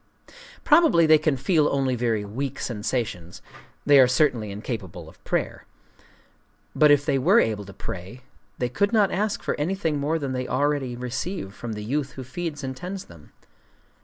Probably they can feel only very weak sensations: they are certainly incapable of prayer. But if they were able to pray, they could not ask for anything more than they already receive from the youth who feeds and tends them.